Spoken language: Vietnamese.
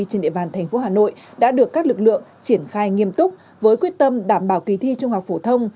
trên địa bàn thành phố hà nội đã được các lực lượng triển khai nghiêm túc với quyết tâm đảm bảo kỳ thi trung học phổ thông